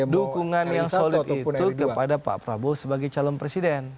dukungan yang solid itu kepada pak prabowo sebagai calon presiden